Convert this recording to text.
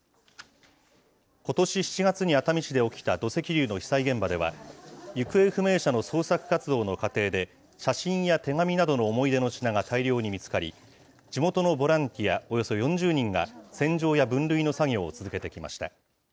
ことし７月に熱海市で起きた土石流の被災現場では、行方不明者の捜索活動の過程で、写真や手紙などの思い出の品が大量に見つかり、地元のボランティアおよそ４０人が、洗浄や分類の作業を続けてきました。